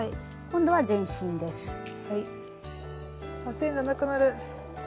線がなくなる！